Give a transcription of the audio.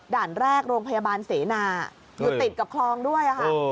ด่านแรกโรงพยาบาลเสนาอยู่ติดกับคลองด้วยค่ะ